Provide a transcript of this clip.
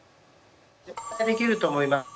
絶対できると思います。